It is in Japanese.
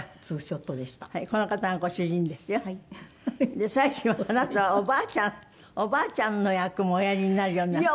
で最近はあなたはおばあちゃんおばあちゃんの役もおやりになるようになって。